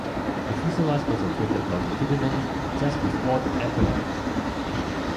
The fuselage also twisted longitudinally just before the empennage.